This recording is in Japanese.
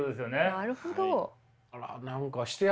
なるほど。